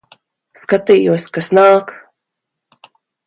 Skatījos, kas nāk.